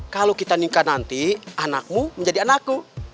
kalau kita nikah nanti anakmu menjadi anakku